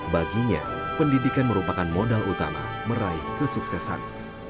baginya pendidikan merupakan modal utama meraih kesuksesan